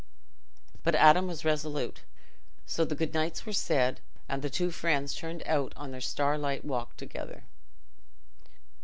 But Adam was resolute, so the good nights were said, and the two friends turned out on their starlight walk together.